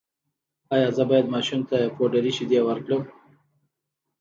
ایا زه باید ماشوم ته پوډري شیدې ورکړم؟